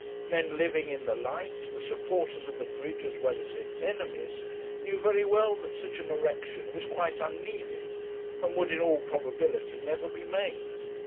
Men living in the light, the supporters of the bridge as well as its enemies, knew very well that such an erection was quite unneeded, and would in all probability never be made.